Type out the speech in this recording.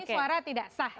ini suara tidak sah gitu